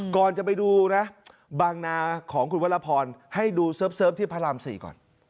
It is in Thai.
ก่อนจะไปดูนะบางนาของคุณวรพรให้ดูเสิร์ฟที่พระราม๔ก่อน